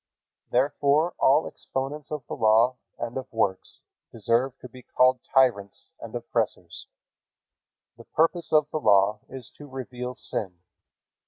Therefore all exponents of the Law and of works deserve to be called tyrants and oppressors. The purpose of the Law is to reveal sin.